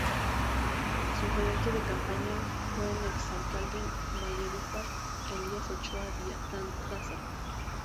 Su gerente de campaña fue el ex alcalde de Valledupar, Elías Ochoa Daza.